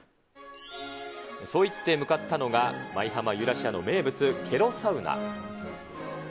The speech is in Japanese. そう言って向かったのが、舞浜ユーラシアの名物、ケロサウナ。